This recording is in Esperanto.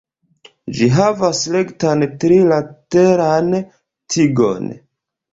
Ĝi havas rektan, tri-lateran tigon.